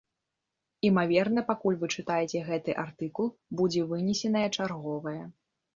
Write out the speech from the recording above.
Імаверна, пакуль вы чытаеце гэты артыкул, будзе вынесенае чарговае.